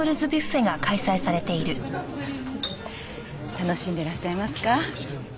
楽しんでらっしゃいますか？